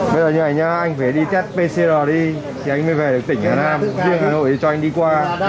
bây giờ như thế này nha anh phải đi test pcr đi thì anh mới về được tỉnh hà nam riêng hà nội cho anh đi qua